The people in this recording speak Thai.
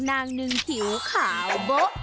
แชร์แรก